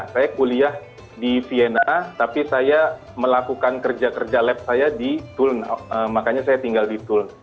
saya kuliah di vienna tapi saya melakukan kerja kerja lab saya di tulln makanya saya tinggal di tull